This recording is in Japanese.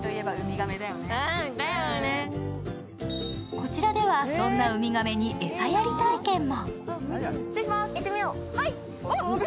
こちらでは、そんなウミガメに餌やり体験も。